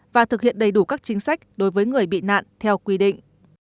và thực hiện đầy đủ các chính sách đối với người bị nạn theo quy định